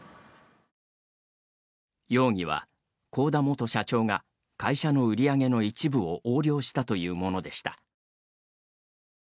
容疑は、幸田元社長が会社の売り上げの一部を横領したというものでした。